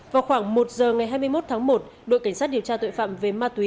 vào khoảng một giờ ngày hai mươi một tháng một đội cảnh sát điều tra tội phạm về ma túy